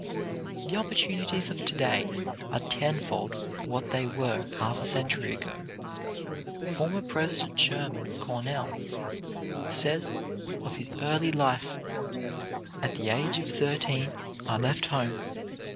The opportunities of to day are tenfold what they were half a century ago. Former President Schurman of Cornell says of his early life: "At the age of thirteen I left home.